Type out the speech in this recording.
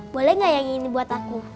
boleh nggak yang ini buat aku